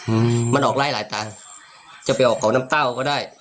อืมมันออกร้ายหลายตาจะไปออกเกาะน้ำเต้าก็ได้